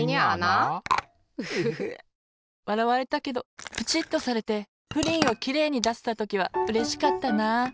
フフフ！わらわれたけどプチッとされてプリンをきれいにだせたときはうれしかったな。